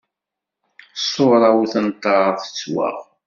Ṣṣura-w tenṭer tettwaɣ.